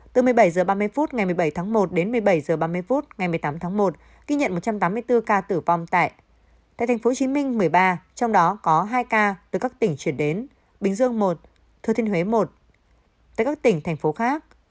từ một mươi bảy h ba mươi phút ngày một mươi bảy tháng một đến một mươi bảy h ba mươi phút ngày một mươi tám tháng một ghi nhận một trăm tám mươi bốn ca tử vong tại tp hcm một mươi ba trong đó có hai ca từ các tỉnh chuyển đến bình dương một thừa thiên huế một tại các tỉnh thành phố khác